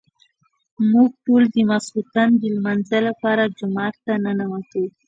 موږ ټول د ماسخوتن د لمانځه لپاره جومات ته ننوتو.